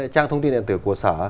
trang thông tin điện tử của xã